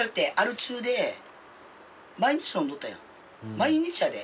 毎日やで。